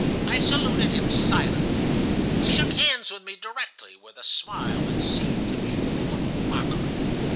I saluted him silently. He shook hands with me directly, with a smile that seemed to me full of mockery.